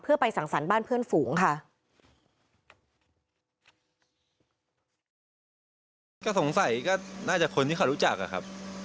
เพื่อไปสั่งสรรค์บ้านเพื่อนฝูงค่ะ